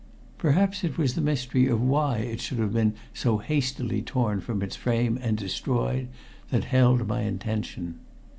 Perhaps it was the mystery of why it should have been so hastily torn from its frame and destroyed that held my attention.